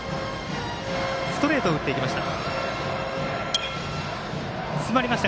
ストレートを打っていきました。